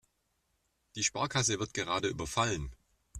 Die Sparkasse wird gerade überfallen.